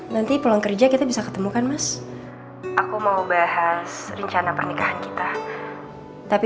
nanti pulang kerja kita bisa ketemukan mas aku mau bahas rencana pernikahan kita tapi